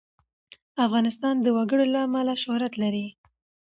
افغانستان د وګړي له امله شهرت لري.